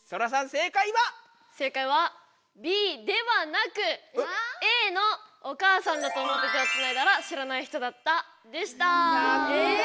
正解はＢではなくＡのお母さんだと思って手をつないだら知らない人だったでした。